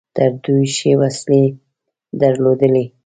تر دوی ښې وسلې درلودلې.